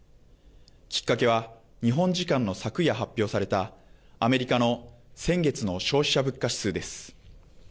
きっかけは日本時間の昨夜発表されたアメリカの先月の消費者物価指数です。